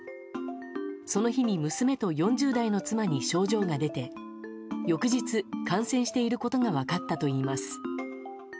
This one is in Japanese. その日に娘と４０代の妻に症状が出て翌日、感染していることが分かったといいます。